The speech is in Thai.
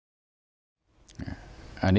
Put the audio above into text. ขอบคุณมากครับขอบคุณมากครับ